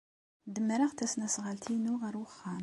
Demmreɣ tasnasɣalt-inu ɣer uxxam.